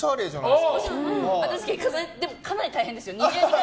でもかなり大変ですよ。